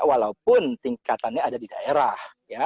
walaupun tingkatannya ada di daerah